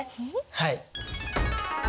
はい。